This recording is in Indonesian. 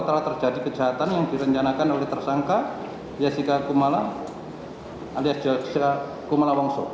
telah terjadi kejahatan yang direncanakan oleh tersangka jessica kumala alias jessica kumala wongso